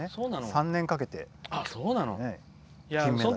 ３年かけて、金メダル。